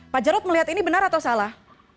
pak jarod melihat ini benar atau salah